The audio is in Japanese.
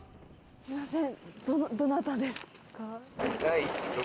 すいません。